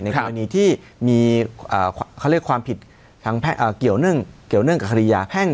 อันนี้ที่มีความผิดเกี่ยวเนื่องกับคดียาแพ่ง